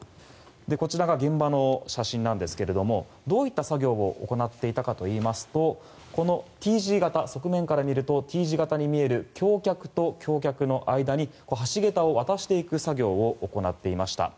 こちらが現場の写真なんですがどういった作業を行っていたかといいますとこの側面から見るとＴ字型に見える橋脚と橋脚の間に橋桁を渡していく作業を行っていました。